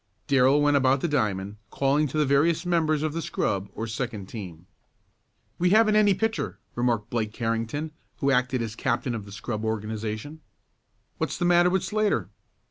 Darrell went about the diamond, calling to the various members of the "scrub," or second team. "We haven't any pitcher," remarked Blake Carrington, who acted as captain of the scrub organization. "What's the matter with Slater?"